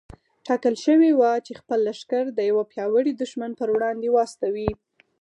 ټاکل شوې وه چې خپل لښکر د يوه پياوړي دښمن پر وړاندې واستوي.